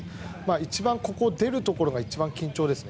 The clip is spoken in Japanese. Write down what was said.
一番、ここを出るところが緊張ですね。